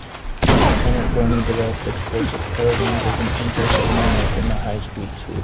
Lieutenant Burney developed explosive paravanes as an anti-submarine weapon, a "high speed sweep".